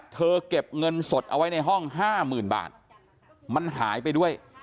เก็บเงินสดเอาไว้ในห้อง๕๐๐๐บาทมันหายไปด้วย